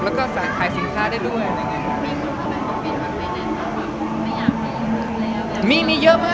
แล้วก็สาขายสินค้าได้ด้วย